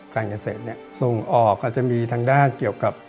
การเกษตรเนี่ยส่งออกอาจจะมีทางด้านเกี่ยวกับ